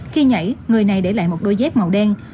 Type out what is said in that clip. khi nhảy người này để lại một đôi dép màu đen